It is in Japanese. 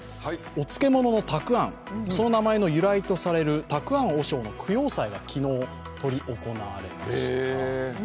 おつけもののたくあんその名前の由来とされる沢庵和尚の供養祭が昨日、行われました。